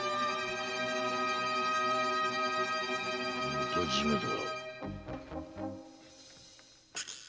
元締めだ。